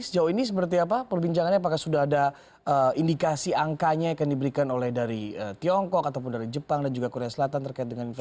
sejauh ini seperti apa perbincangannya apakah sudah ada indikasi angkanya yang akan diberikan oleh dari tiongkok ataupun dari jepang dan juga korea selatan terkait dengan investasi